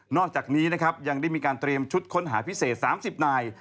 อกจากนี้นะครับยังได้มีการเตรียมชุดค้นหาพิเศษ๓๐นาย